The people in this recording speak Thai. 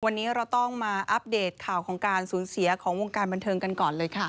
วันนี้เราต้องมาอัปเดตข่าวของการสูญเสียของวงการบันเทิงกันก่อนเลยค่ะ